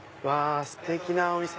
ステキなお店！